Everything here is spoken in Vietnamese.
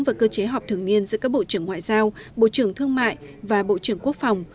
và cơ chế họp thường niên giữa các bộ trưởng ngoại giao bộ trưởng thương mại và bộ trưởng quốc phòng